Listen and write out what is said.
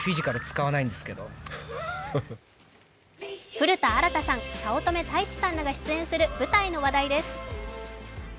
古田新太さん、早乙女太一さんらが出演する舞台の話題です。